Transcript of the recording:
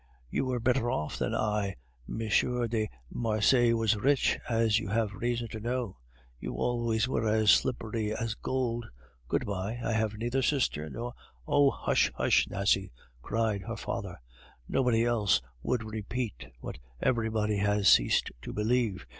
"You were better off than I. M. de Marsay was rich, as you have reason to know. You always were as slippery as gold. Good bye; I have neither sister nor " "Oh! hush, hush, Nasie!" cried her father. "Nobody else would repeat what everybody has ceased to believe.